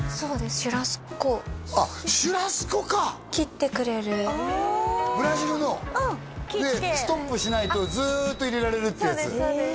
シュラスコあっシュラスコか切ってくれるブラジルのでストップしないとずっと入れられるっていうやつそうです